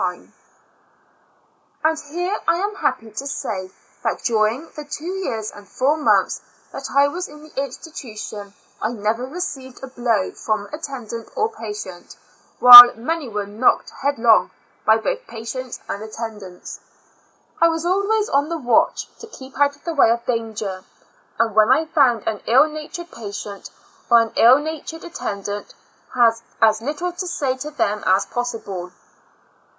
72 T^o Years and Four Months And here I am happy to say that during the two years and four months that I was in the institution, I never received a blow from attendant or patient, while many were knocked headlong by both patients and attendants. I was always on the watch to keep out of the way of danger, and when I found an ill natured patient, or an ill natured attendant, had as little to say to them as possible.